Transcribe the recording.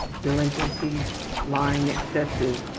Delinquencies: Lying excessive.